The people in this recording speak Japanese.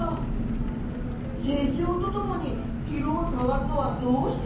成長とともに色がかわるのはどうして？